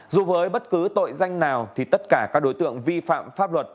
dù với bất cứ tội danh nào thì tất cả các đối tượng vi phạm pháp luật